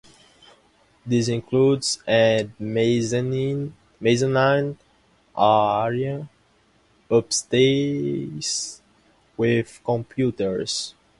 This includes an mezzanine area upstairs with computers.